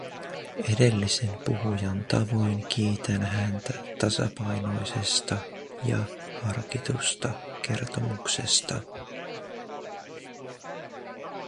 Edellisen puhujan tavoin kiitän häntä tasapainoisesta ja harkitusta kertomuksesta.